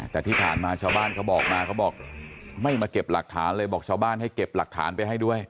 แต่ที่ผ่านมาชาวบ้านเขาบอกมาเขาบอกไม่มาเก็บหลักฐานเลยบอกชาวบ้านให้เก็บหลักฐานไปให้ด้วย